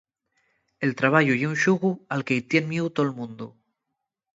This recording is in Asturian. El trabayu ye un xugu al que-y tien mieu tol mundu.